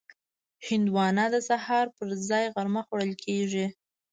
هندوانه د سهار پر ځای غرمه خوړل کېږي.